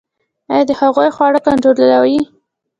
ایا د هغوی خواړه کنټرولوئ؟